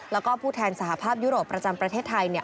แล้วก็ผู้แทนสหภาพยุโรปประจำประเทศไทย